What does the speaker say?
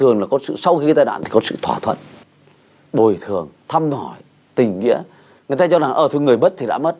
người ta cho rằng người mất thì đã mất